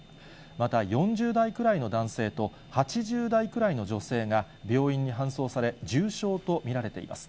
また４０代くらいの男性と、８０代くらいの女性が病院に搬送され、重傷と見られています。